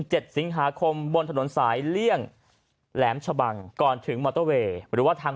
เจ็ดสิงหาคมบนถนนสายเลี่ยงแหลมชะบังก่อนถึงมอเตอร์เวย์หรือว่าทาง